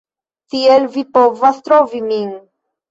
Tiel vi povas trovi min